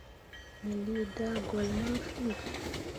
Me lii daagolle ma fu.